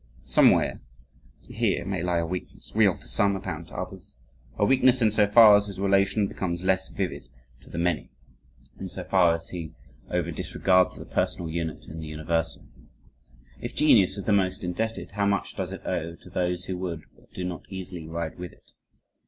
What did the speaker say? Somewhere here may lie a weakness real to some, apparent to others a weakness in so far as his relation becomes less vivid to the many; insofar as he over disregards the personal unit in the universal. If Genius is the most indebted, how much does it owe to those who would, but do not easily ride with it?